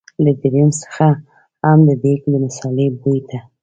له دريم څخه هم د دېګ د مثالې بوی ته.